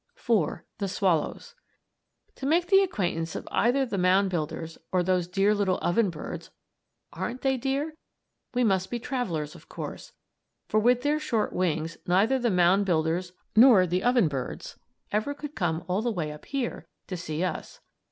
IV. THE SWALLOWS To make the acquaintance of either the mound builders or those dear little oven birds aren't they dear? we must be travellers, of course, for with their short wings neither the mound builders nor the oven birds ever could come all the way up here to see us.